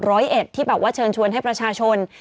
เอ็ดที่แบบว่าเชิญชวนให้ประชาชน